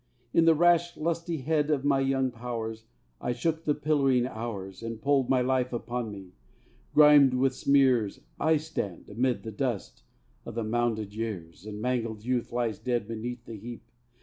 In the rash lustihead of my young powers, I shook the pillaring hours And pulled my life upon me; grimed with smears, I stand amid the dust o' the mounded years My mangled youth lies dead beneath the heap.